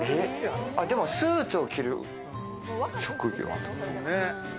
スーツを着る職業？